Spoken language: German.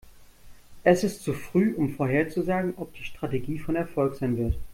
Es ist zu früh, um vorherzusagen, ob die Strategie von Erfolg sein wird.